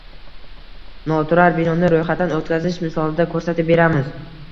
noturar binoni ro‘yxatdan o‘tkazish misolida ko‘rsatib beramiz.